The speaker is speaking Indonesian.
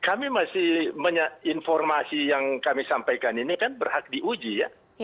kami masih informasi yang kami sampaikan ini kan berhak diuji ya